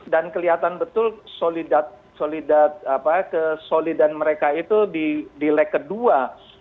dan kelihatan betul solidan mereka itu di lag kedua